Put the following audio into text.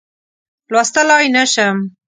لوستلای نه شم.